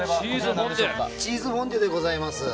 チーズフォンデュでございます。